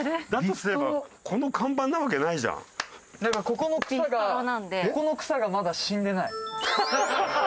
ここの草がここの草がまだ死んでない。